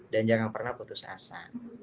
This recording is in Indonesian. dan jangan pernah putus asa